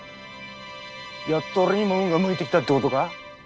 やっと俺にも運が向いてきたってことか？